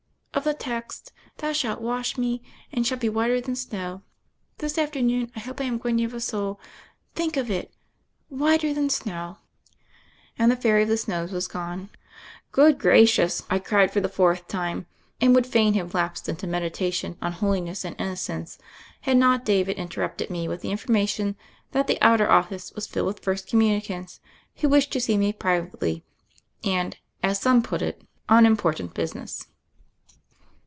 "Of the text, Thou shalt wash me, and I shall be made whiter than snow.' This after noon, I hope I am going to have a soul, think of it, whiter than snow 1' And the Fairy of the Snows was gone. "Good gracious 1" I cried for the fourth time, and would fain have lapsed into meditation on holiness and innocence, had not David inter rupted me with the information that the outer office was filled with First Communicants who wished to see me privately and, as some put it, on important business.